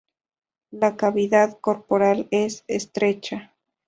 La cavidad corporal es estrecha.